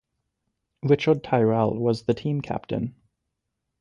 Richard Tyrrell was the team captain.